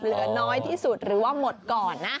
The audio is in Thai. เหลือน้อยที่สุดหรือว่าหมดก่อนนะ